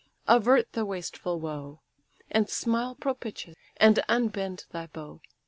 avert the wasteful woe, And smile propitious, and unbend thy bow."